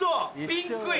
ピンクい。